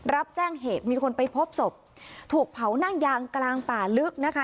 รับแจ้งเหตุมีคนไปพบศพถูกเผานั่งยางกลางป่าลึกนะคะ